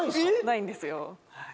ないんですよはい。